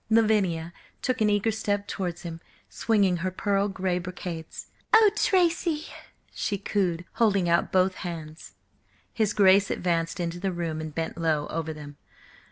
Lavinia took an eager step towards him, swinging her pearl grey brocades. "Oh, Tracy!" she cooed, holding out both hands. His Grace advanced into the room and bent low over them.